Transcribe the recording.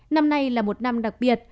năm nay là một năm đặc biệt